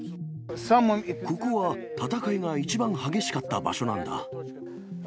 ここは戦いが一番、激しかった場所なんだ。